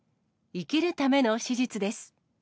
生きるための手術です。